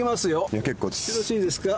よろしいですか？